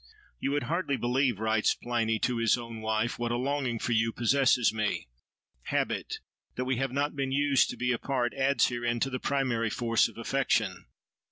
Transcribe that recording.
"You would hardly believe," writes Pliny,—to his own wife!—"what a longing for you possesses me. Habit—that we have not been used to be apart—adds herein to the primary force of affection.